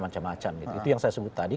macam macam gitu itu yang saya sebut tadi